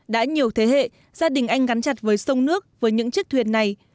đã nhiều thế hệ gia đình anh gắn chặt với sông nước với những chiếc thuyền này